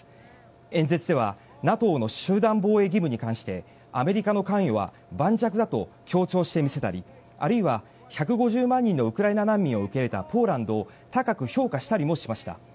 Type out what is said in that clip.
演説ではＮＡＴＯの集団防衛義務に関してアメリカの関与は盤石だと強調して見せたり、あるいは１５０万人のウクライナ難民を受け入れたポーランドを高く評価したりもしました。